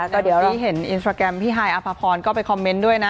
แต่เดี๋ยวนี้เห็นอินสตราแกรมพี่ฮายอภพรก็ไปคอมเมนต์ด้วยนะ